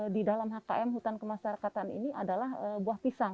di dalam hkm hutan kemasyarakatan ini adalah buah pisang